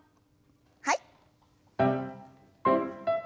はい。